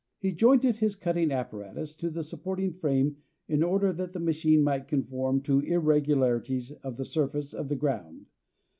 He jointed his cutting apparatus to the supporting frame in order that the machine might conform to irregularities of the surface of the ground.